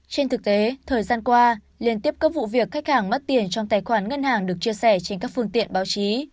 trên thực tế thời gian qua liên tiếp các vụ việc khách hàng mất tiền trong tài khoản ngân hàng được chia sẻ trên các phương tiện báo chí